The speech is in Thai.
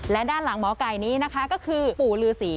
และด้านหลังหมอไก่นี้นะคะก็คือปู่ลือศรี